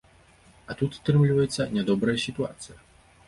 А тут атрымліваецца нядобрая сітуацыя.